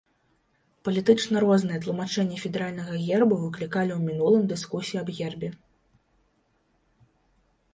Палітычна розныя тлумачэнні федэральнага гербу выклікалі ў мінулым дыскусіі аб гербе.